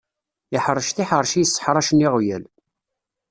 Iḥṛec tiḥeṛci yisseḥṛacen iɣwyal.